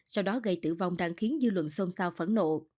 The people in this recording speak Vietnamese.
sau đó gây tử vong đang khiến dư luận xôn xao phẫn nộ